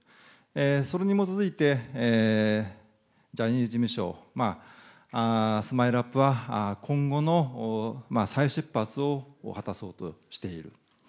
それに基づいてジャニーズ事務所、ＳＭＩＬＥーＵＰ．は今後の再出発を果たそうとしている。